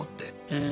うん。